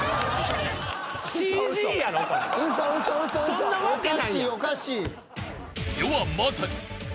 そんなわけないやん。